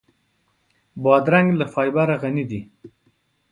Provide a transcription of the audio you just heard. بادرنګ له فایبره غني دی.